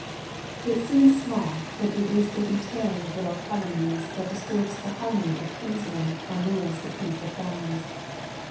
It seems small, but it is the retailing of little calumnies that disturbs the harmony of kinsmen and ruins the peace of families.